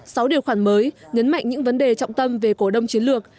sáu điều khoản mới nhấn mạnh những vấn đề trọng tâm về cổ đông chiến lược